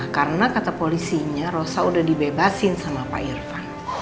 karena kata polisinya rosa udah dibebasin sama pak irvan